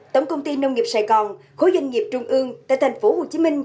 tổng công ty nông nghiệp sài gòn khối doanh nghiệp trung ương tại tp hcm